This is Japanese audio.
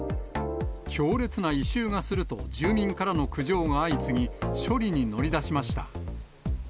強烈な異臭がすると、住民からの苦情が相次ぎ、処理に乗り出しました。